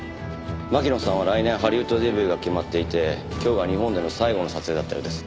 巻乃さんは来年ハリウッドデビューが決まっていて今日が日本での最後の撮影だったようです。